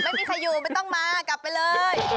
ไม่มีใครอยู่ไม่ต้องมากลับไปเลย